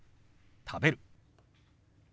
「食べる」。